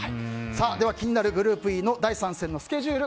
では気になるグループＥの第３戦のスケジュール